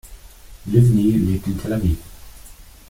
Livni lebt in Tel Aviv.